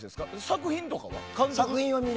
作品とかは？